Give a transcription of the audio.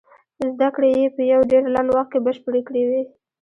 زدکړې يې په يو ډېر لنډ وخت کې بشپړې کړې وې.